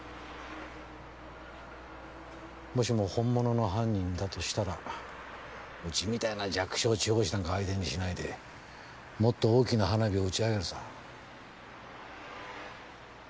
もしも本物の犯人だとしたらウチみたいな弱小地方紙なんか相手にしないでもっと大きな花火を打ち上げるさ。